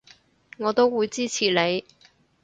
我都會支持你